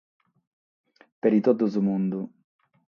Peri totu su mundu.